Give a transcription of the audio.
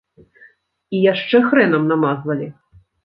І яшчэ хрэнам намазвалі.